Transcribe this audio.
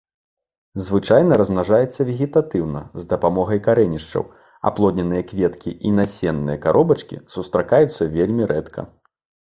Звычайна размнажаецца вегетатыўна з дапамогай карэнішчаў, аплодненыя кветкі і насенныя каробачкі сустракаюцца вельмі рэдка.